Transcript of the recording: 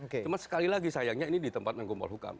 cuma sekali lagi sayangnya ini di tempat menggombol hukum